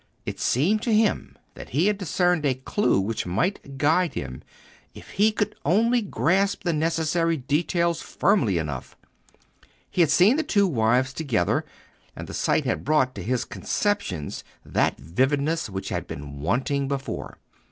It seemed to him that he had discerned a clue which might guide him if he could only grasp the necessary details firmly enough. He had seen the two wives together, and the sight had brought to his conceptions that vividness which had been wanting before.